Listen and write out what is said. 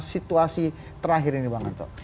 situasi terakhir ini pak harto